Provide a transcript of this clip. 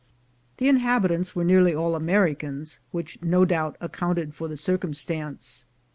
The inhab itants were nearly all Americans, which no doubt ac counted for the circumstance.